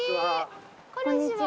こんにちは。